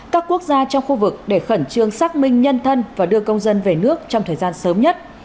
các quốc gia trong khu vực để khẩn trương xác minh nhân thân và đưa công dân về nước trong thời gian sớm nhất